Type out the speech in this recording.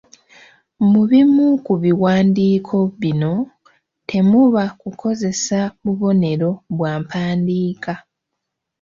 Mu bimu ku biwandiiko bino, temuba kukozesa bubonero bwa mpandiika.